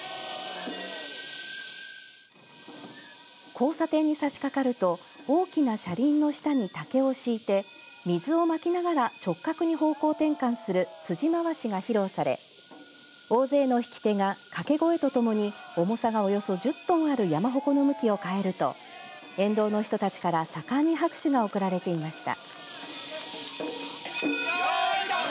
交差点に差し掛かると大きな車輪の下に竹を敷いて水をまきながら直角に方向転換する辻廻しが披露され大勢の引き手が掛け声とともに重さがおよそ１０トンある山鉾の向きを変えると沿道の人たちから盛んに拍手が送られていました。